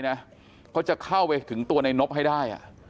เขาจะเข้าไปถึงตัวในนบให้ได้